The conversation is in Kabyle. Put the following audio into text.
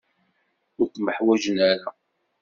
Ur kem-ḥwajen ara.